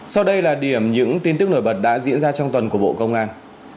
sau đây là điểm những tin tức nổi bật đã diễn ra trong tuần của bộ công an